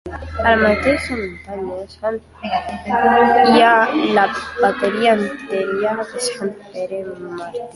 A la mateixa muntanya hi ha la Bateria antiaèria de Sant Pere Màrtir.